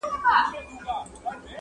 ازمويلی بيامه ازمايه.